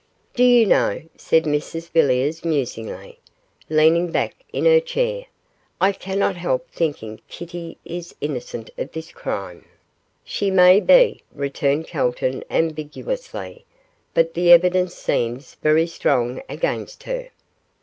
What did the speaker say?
'Do you know,' said Mrs Villiers, musingly, leaning back in her chair, 'I cannot help thinking Kitty is innocent of this crime.' 'She may be,' returned Calton, ambiguously, 'but the evidence seems very strong against her.